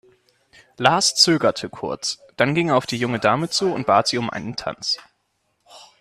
Lars zögerte kurz, dann ging er auf die junge Dame zu und bat sie um einen Tanz.